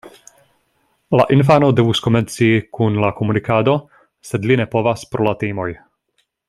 La infano devus komenci kun la komunikado, sed li ne povas pro la timoj.